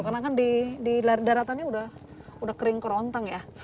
karena kan di daratannya udah kering keronteng ya